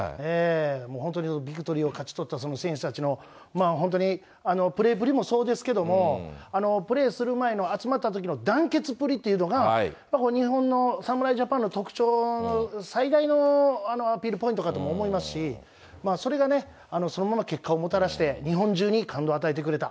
本当にビクトリーを勝ち取った、その選手たちの、本当にプレーぶりもそうですけども、プレーする前の集まったときの団結ぶりっていうのが、やっぱ日本の侍ジャパンの特徴、最大のアピールポイントかとも思いますし、それがね、そのまま結果をもたらして、日本中に感動を与えてくれた。